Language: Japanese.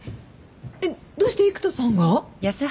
えっどうして育田さんが？